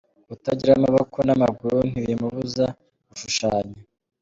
Kutagira amaboko n’amaguru ntibimubuza gushushanya